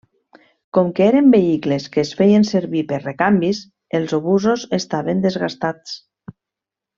Com que eren vehicles que es feien servir per recanvis, els obusos estaven desgastats.